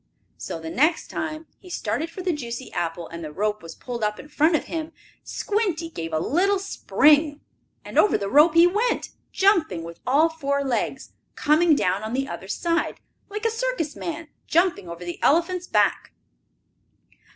So the next time he started for the juicy apple, and the rope was pulled up in front of him, Squinty gave a little spring, and over the rope he went, jumping with all four legs, coming down on the other side, like a circus man jumping over the elephant's back.